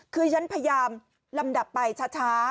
คือฉันพยายามลำดับไปช้า